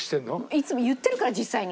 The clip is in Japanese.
いつも言ってるから実際に。